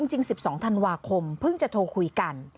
จริง๑๒ธันวาคมเพิ่งจะโทรคุยกัน